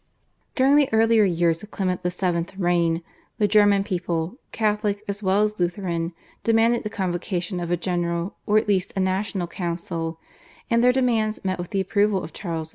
During the earlier years of Clement VII.'s reign the German people, Catholic as well as Lutheran, demanded the convocation of a general or at least a national council, and their demands met with the approval of Charles V.